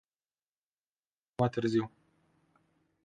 Tinerii se vor angaja tot mai târziu.